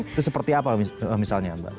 itu seperti apa misalnya mbak